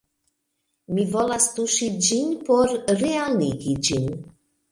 Mi volas tuŝi ĝin por realigi ĝin